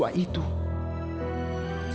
suami atau bapaknya